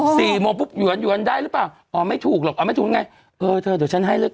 ไหมคะนางนั่นปุ๊คสามศูนย์ได้หรอก